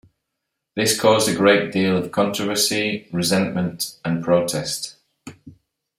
This caused a great deal of controversy, resentment and protest.